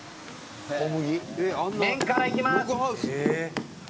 小麦」麺からいきます。